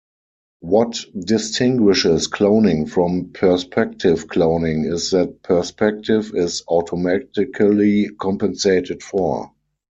What distinguishes cloning from perspective cloning is that perspective is automatically compensated for.